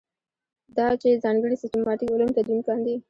دا چې ځانګړي سیسټماټیک علوم تدوین کاندي.